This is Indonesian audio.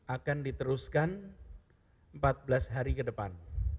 akan diteruskan empat belas hari ke depan